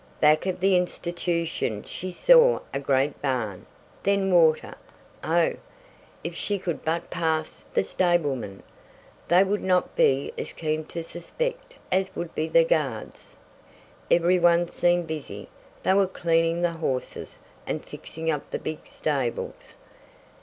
Back of the institution she saw a great barn then water! Oh, if she could but pass the stablemen. They would not be as keen to suspect as would be the guards. Every one seemed busy. They were cleaning the horses, and fixing up the big stables.